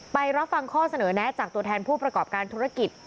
ไปรับฟังข้อเสนอแนะจากตัวแทนผู้ประกอบการธุรกิจ